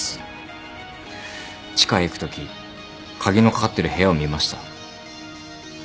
地下へ行くとき鍵のかかってる部屋を見ました。